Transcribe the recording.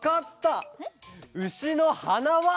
うしのはなわ！